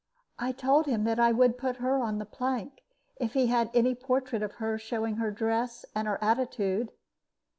I told him that I would put her on the plank, if he had any portrait of her showing her dress and her attitude.